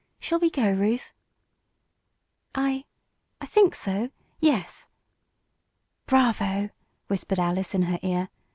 Shall we go, Ruth?" "I I think so yes." "Bravo!" whispered Alice in her ear.